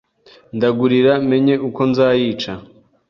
Ndagurira menye uko nzayica